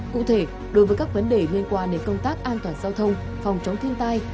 cụ thể đối với các vấn đề liên quan đến công tác an toàn giao thông phòng chống thiên tai